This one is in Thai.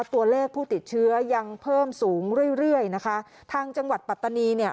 ตัวเลขผู้ติดเชื้อยังเพิ่มสูงเรื่อยเรื่อยนะคะทางจังหวัดปัตตานีเนี่ย